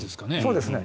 そうですね。